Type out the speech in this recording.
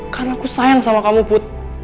karena aku sayang sama kamu put